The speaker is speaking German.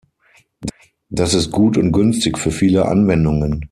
Das ist gut und günstig für viele Anwendungen.